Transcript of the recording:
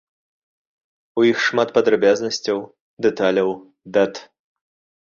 У іх шмат падрабязнасцяў, дэталяў, дат.